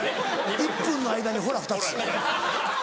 １分の間にほら２つ。